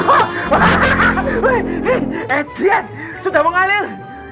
hey aegean sudah mengalir